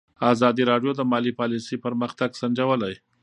ازادي راډیو د مالي پالیسي پرمختګ سنجولی.